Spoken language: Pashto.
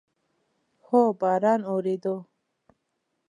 هو، باران اوورېدو